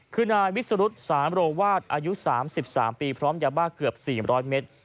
คือนายวิสรุธสามโรวาสอายุ๓๓ปีพร้อมยาบ้าเกือบ๔๐๐เมตร